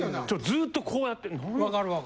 ずっとこうやって。